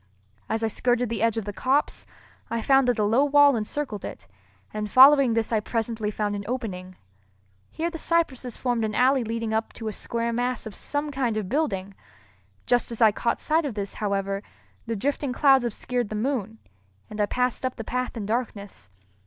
As I skirted the edge of the copse, I found that a low wall encircled it, and following this I presently found an opening. Here the cypresses formed an alley leading up to a square mass of some kind of building. Just as I caught sight of this, however, the drifting clouds obscured the moon, and I passed up the path in darkness.